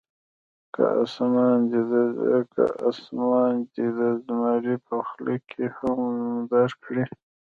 که اسمان دې د زمري په خوله کې هم درکړي.